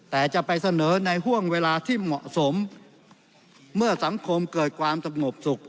แต่จะไปเสนอในห่วงเวลาที่เหมาะสมเมื่อสังคมเกิดความสงบสุข